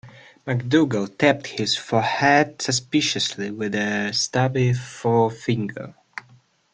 MacDougall tapped his forehead suspiciously with a stubby forefinger.